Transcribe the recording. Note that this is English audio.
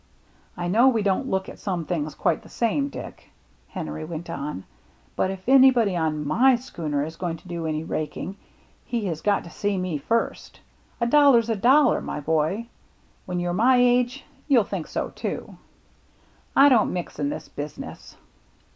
" I know we don't look at some things quite the same, Dick," Henry went on. "But if anybody on my schooner is going to do any raking, he has got to see me first. A dollar's a dollar, my boy. When you are my age, you will think so too." " I don't mix in this business."